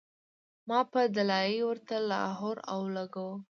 ما پۀ “دلائي” ورته لاهور او لګوو